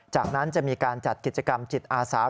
จากนั้นจะมีการจัดกิจกรรมจิตอาสา